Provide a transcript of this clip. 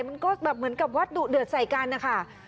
มันก็แบบเหมือนกับวัตถุเดือดใส่กันนะคะ